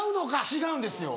違うんですよ。